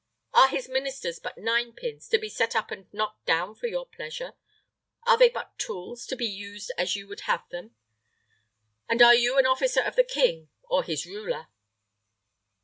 Are his ministers but nine pins, to be set up and knocked down for your pleasure? Are they but tools, to be used as you would have them? and are you an officer of the king, or his ruler?"